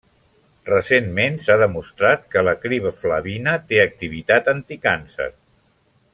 Recentment s'ha demostrat que l'acriflavina té activitat anticàncer.